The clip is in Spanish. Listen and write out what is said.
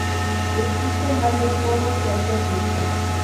Existen varios modos de hacerlo.